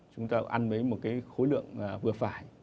chúng ta ăn với một cái khối lượng vừa phải